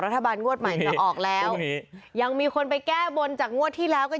รัฐบาลงวดใหม่จะออกแล้วตรงนี้ยังมีคนไปแก้บนจากงวดที่แล้วกัน